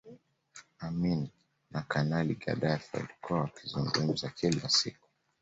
Amin na Kanali Gaddafi walikuwa wakizungumza kila siku